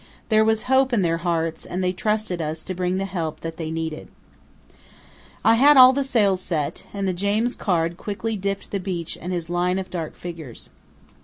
There was hope in their hearts and they trusted us to bring the help that they needed. I had all sails set, and the James Caird quickly dipped the beach and its line of dark figures.